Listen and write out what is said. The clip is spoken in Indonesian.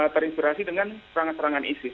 terinspirasi dengan serangan serangan isis